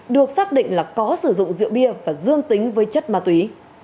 được xác định là có sử dụng rượu bia và dương tính với chất ma túy